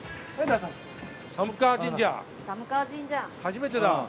初めてだ。